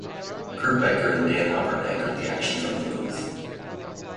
Kurt Becker and Dan Hubbard anchored the action from the booth.